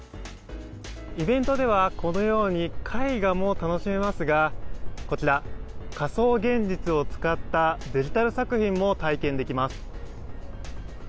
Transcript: イベントでは、このように絵画も楽しめますがこちら、仮想現実を使ったデジタル作品も体験できます。